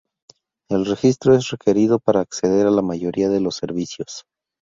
El registro es requerido para acceder a la mayoría de los servicios.